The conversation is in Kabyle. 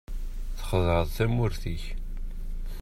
Txedɛeḍ tamurt-ik.